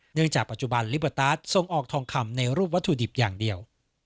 จากปัจจุบันลิเบอร์ตาร์ทส่งออกทองคำในรูปวัตถุดิบอย่างเดียว